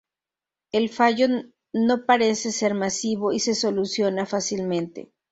El fallo no parece ser masivo y se soluciona fácilmente.